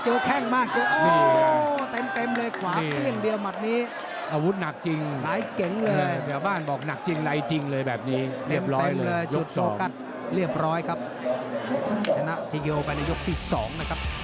ชนะวิทยาก็แต่งลึกสองนะครับ